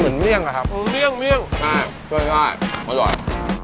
เมื่อเมี่ยงก่อนเน่าะใช่ช่วยง่ายอร่อย